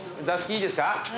座敷いいですか？